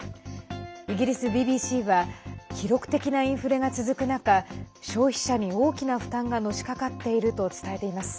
イギリスＢＢＣは記録的なインフレが続く中消費者に大きな負担がのしかかっていると伝えています。